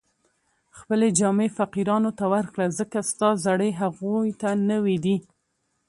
خپلې جامې فقیرانو ته ورکړه، ځکه ستا زړې هغو ته نوې دي